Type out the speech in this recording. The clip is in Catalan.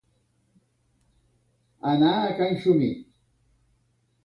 Anar a Can Xumi.